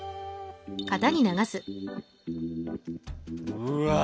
うわ